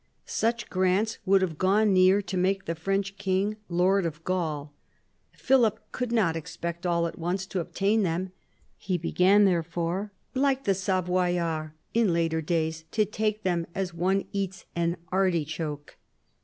Such grants would have gone near to make the French king lord of Gaul. Philip could not expect all at once to obtain them. He began therefore, like the Savoyards in later days, to take them as one eats an artichoke.